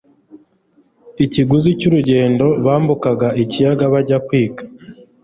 ikiguzi cy'urugendo bambuka ikiyaga bajya kwiga.